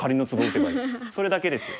それだけです。